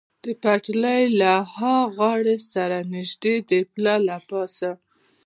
د پټلۍ له ها غاړې سره نږدې د پله له پاسه.